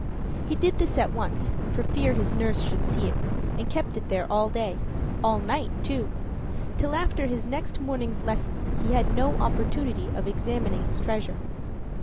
He did this at once, for fear his nurse should see it, and kept it there all day all night, too. Till after his next morning's lessons he had no opportunity of examining his treasure.